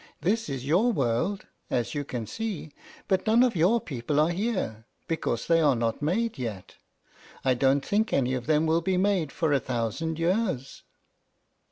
This is your world, as you can see; but none of your people are here, because they are not made yet. I don't think any of them will be made for a thousand years."